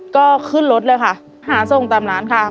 ก็ขึ้นรถเลยค่ะหาส่งตามร้านค่ะ